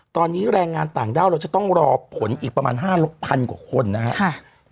ตอนนี้แรงงานต่างด้าวเราจะต้องรอผลอีกประมาณห้าลูกพันกว่าคนนะฮะค่ะ